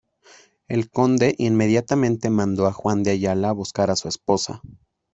El conde inmediatamente mandó a Juan de Ayala a buscar a su esposa.